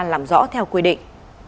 làm rõ theo quy định